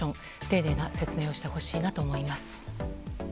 丁寧な説明をしてほしいなと思います。